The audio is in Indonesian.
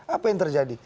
apa yang terjadi